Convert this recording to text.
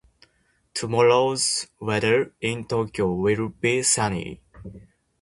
Tomorrow's weather in Tokyo will be sunny.